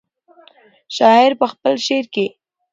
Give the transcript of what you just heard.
شاعر په خپل شعر کې.